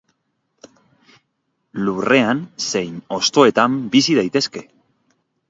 Lurrean zein hostoetan bizi daitezke.